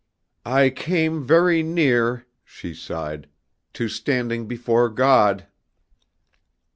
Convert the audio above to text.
"I came very near," she sighed, "to standing before God."